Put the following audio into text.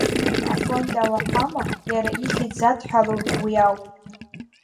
Афонтәи ауахәама иара ихьӡ задҳәалоугьы уи ауп.